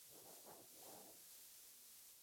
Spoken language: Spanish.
Pero este se niega...